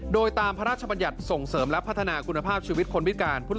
โดยตามพระราชบัญญัติส่งเสริมและพัฒนาคุณภาพชีวิตคนพิการ